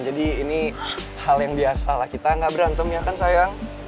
jadi ini hal yang biasalah kita gak berantem ya kan saya